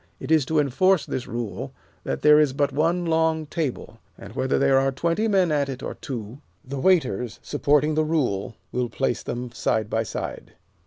It is to enforce this rule that there is but one long table, and whether there are twenty men at it or two, the waiters, supporting the rule, will place them side by side.